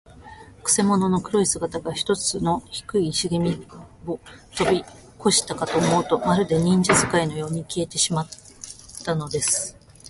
くせ者の黒い姿が、ひとつの低いしげみをとびこしたかと思うと、まるで、忍術使いのように、消えうせてしまったのです。